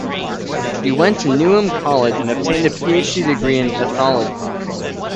She went to Newnham College, and obtained a PhD degree in ethology.